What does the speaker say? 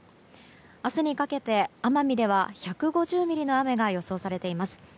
明日にかけて奄美では１５０ミリの雨が予想されています。